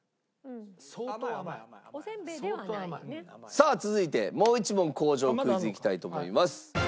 さあ続いてもう１問工場クイズいきたいと思います。